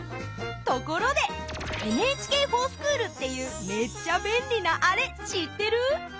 ところで「ＮＨＫｆｏｒＳｃｈｏｏｌ」っていうめっちゃべんりなあれしってる？